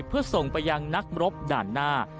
เพื่อส่งไปยังนักรบด่านหน้า